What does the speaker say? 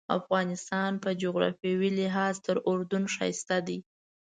افغانستان په جغرافیوي لحاظ تر اردن ښایسته دی.